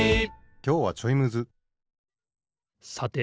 きょうはちょいむずさて